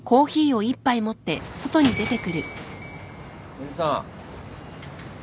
おじさん。